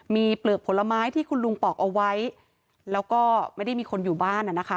มีเปลือกผลไม้ที่คุณลุงปอกเอาไว้แล้วก็ไม่ได้มีคนอยู่บ้านอ่ะนะคะ